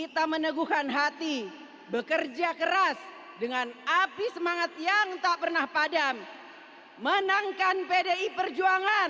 tanggal dua puluh satu april dua ribu dua puluh tiga yang lalu